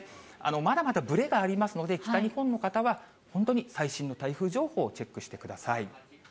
まだまだブレがありますので、北日本の方は本当に最新の台風情報をチェックしてください。